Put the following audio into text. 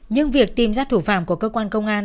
nhưng việc tìm ra thủ phạm của cơ quan công an